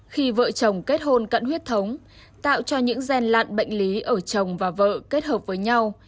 khi vợ chồng kết hôn cận huyết thống tạo cho những gen lặn bệnh lý ở chồng và vợ kết hợp với nhau